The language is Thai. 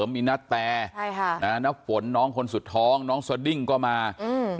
มีนาต่ายนาเสริมมีณแตอด